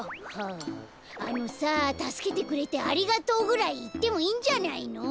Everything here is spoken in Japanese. ああのさ「たすけてくれてありがとう」ぐらいいってもいいんじゃないの？